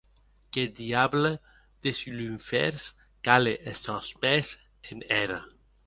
Qu’eth diable des lunfèrns cale es sòns pès en era!